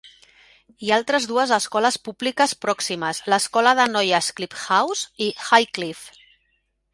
Hi ha altres dues escoles públiques pròximes, l'escola de noies Cliff House i Highcliffe.